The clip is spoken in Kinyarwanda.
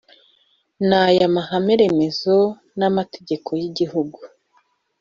n aya mahame remezo n amategeko y igihugu